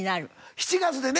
７月でね。